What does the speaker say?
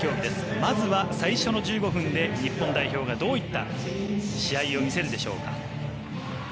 まずは最初の１５分で日本代表がどういった試合を見せるでしょうか。